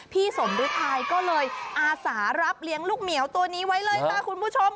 พี่สมฤทัยก็เลยอาสารับเลี้ยงลูกเหมียวตัวนี้ไว้เลยค่ะคุณผู้ชม